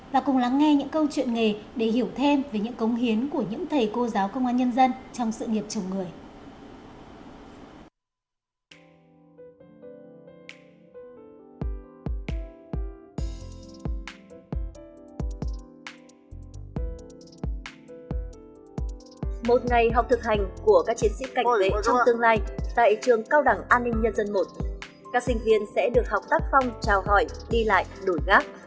và cùng lắng nghe những câu chuyện nghề để hiểu thêm về những cống hiến của những thầy cô giáo công an nhân dân trong sự nghiệp chồng người